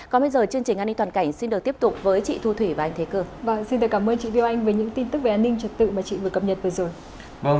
còn bây giờ chương trình an ninh toàn cảnh xin được tiếp tục với chị thu thủy và anh thế cường